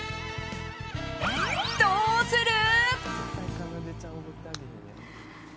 どうする？